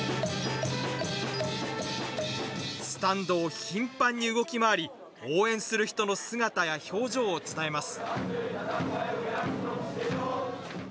スタンドを頻繁に動き回り応援する人の姿や表情を伝えます。